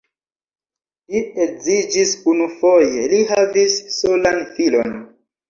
Li edziĝis unufoje, li havis solan filon.